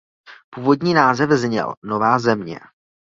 Původní název zněl "Nová Země".